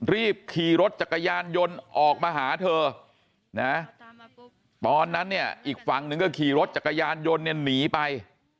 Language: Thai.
รีบขี่รถจักรยานยนต์ออกมาหาเธอนะตอนนั้นเนี่ยอีกฝั่งหนึ่งก็ขี่รถจักรยานยนต์เนี่ยหนีไป